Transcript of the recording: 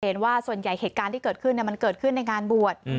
เห็นว่าส่วนใหญ่เหตุการณ์ที่เกิดขึ้นมันเกิดขึ้นในงานบวช